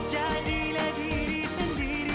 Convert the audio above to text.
jadilah diri sendiri